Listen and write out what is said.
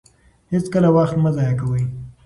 هېڅکله وخت مه ضایع کوئ.